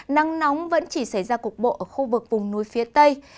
nắng nóng vẫn chỉ xảy ra cục bộ ở khu vực vùng núi phía tây